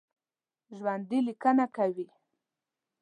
ژوندي لیکنه کوي